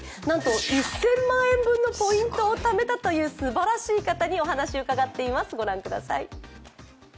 なんと１０００万円分のポイントをためたというすばらしい方にお話を伺っています。